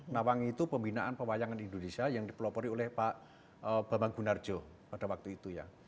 nawangi itu pembinaan pewayangan indonesia yang dipelopori oleh pak bambang gunarjo pada waktu itu ya